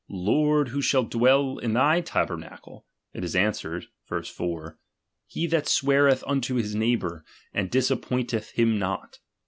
Lord who shall dwell in thy tabernacle ? it is answered (verse 4) : He that sweareth unto his neighbour, and disappointeth him not.